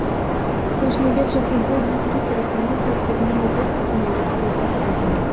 Кожны вечар прыходзілі тры пераапранутыя ў цывільную вопратку нямецкія салдаты.